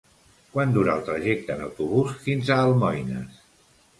Quant dura el trajecte en autobús fins a Almoines?